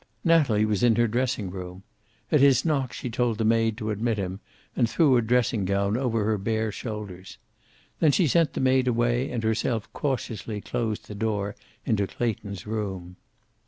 Natalie was in her dressing room. At his knock she told the maid to admit him, and threw a dressing gown over her bare shoulders. Then she sent the maid away and herself cautiously closed the door into Clayton's room.